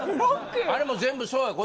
あれも全部そうよ